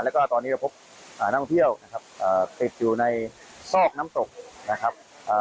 และก็ตอนนี้จะพบน้องเที่ยวติดอยู่ในซอกน้ำตกนะครับ